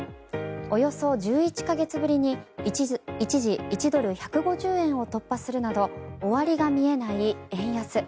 およそ１１か月ぶりに一時、１ドル＝１５０円を突破するなど終わりが見えない円安。